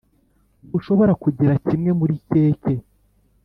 ntushobora kugira kimwe muri keke.